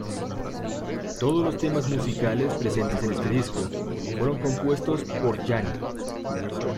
Todos los temas musicales presentes en este disco fueron compuestos por Yanni.